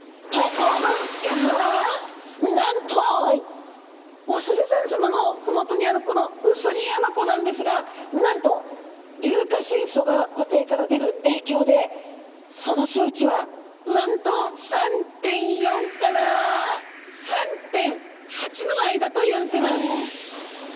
なんと恐山さまのふもとにあるこの宇曽利山湖なんですがなんと硫化水素が湖底から出るえいきょうでその数値はなんと３．４から３．８の間といわれてます。